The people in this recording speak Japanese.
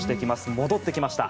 戻ってきました。